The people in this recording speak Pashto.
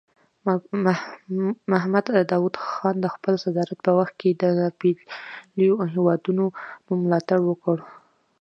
محمد داود خان د خپل صدارت په وخت کې د ناپېیلو هیوادونو ملاتړ وکړ.